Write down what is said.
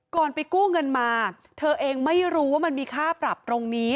ไปกู้เงินมาเธอเองไม่รู้ว่ามันมีค่าปรับตรงนี้